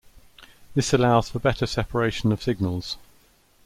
This allows for better separation of signals.